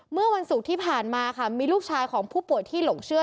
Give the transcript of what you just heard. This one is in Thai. เมื่อวันศุกร์ที่ผ่านมาค่ะมีลูกชายของผู้ป่วยที่หลงเชื่อ